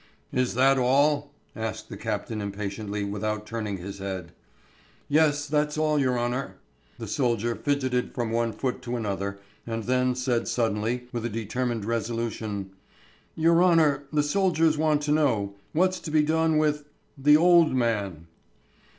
"Is that all?" asked the captain impatiently, without turning his head. "Yes, that's all, your honour." The soldier fidgeted from one foot to another, and then said suddenly, with a determined resolution, "Your honour ... the soldiers want to know ... what's to be done with ... the old man?"